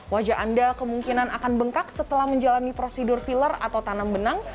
wajah anda kemungkinan akan bengkak setelah menjalani prosedur filler atau tanam benang